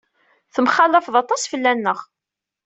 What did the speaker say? Temxallafeḍ aṭas fell-aneɣ.